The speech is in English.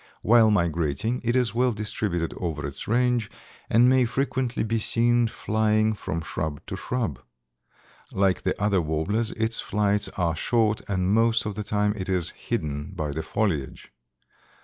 While migrating it is well distributed over its range, and may frequently be seen flying from shrub to shrub. Like the other warblers its flights are short and most of the time it is hidden by the foliage.